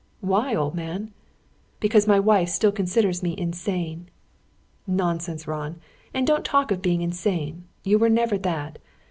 "Why, old man?" "Because my wife still considers me insane." "Nonsense, Ron! And don't talk of being insane. You were never that.